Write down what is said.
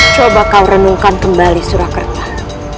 coba kau renungkan kembali surah kertah